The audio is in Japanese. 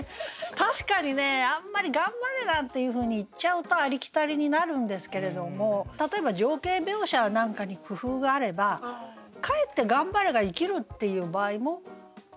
確かにねあんまり「頑張れ」なんていうふうに言っちゃうとありきたりになるんですけれども例えば情景描写なんかに工夫があればかえって「頑張れ」が生きるっていう場合もないことはないわけですね。